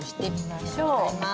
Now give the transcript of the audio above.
ありがとうございます。